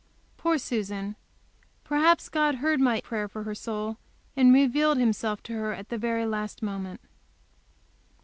Poor Susan! Perhaps God heard my prayer for her soul, and revealed Himself to her at the very last moment.